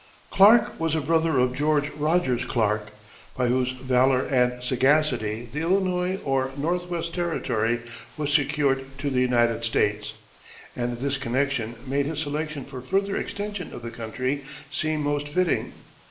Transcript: Clark was a brother of George Rogers Clark, by whose valor and sagacity the Illinois or Northwest Territory was secured to the United States, and this connection made his selection for further extension of the country seem most fitting.